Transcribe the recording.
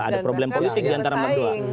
ada problem politik diantara merdoa